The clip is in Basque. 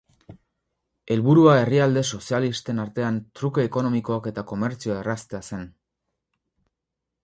Helburua herrialde sozialisten artean truke ekonomikoak eta komertzioa erraztea zen.